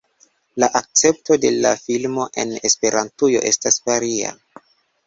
La akcepto de la filmo en Esperantujo estas varia.